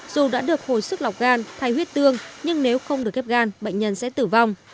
dù đã được hồi sức lọc gan thay huyết tương nhưng nếu không được ghép gan bệnh nhân sẽ tử vong